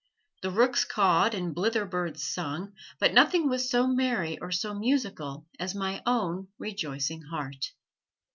The rooks cawed and blither birds sung, but nothing was so merry or so musical as my own rejoicing heart.